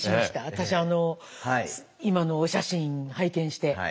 私今のお写真拝見して。